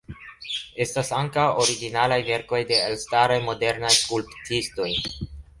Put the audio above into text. Estas ankaŭ originalaj verkoj de elstaraj modernaj skulptistoj.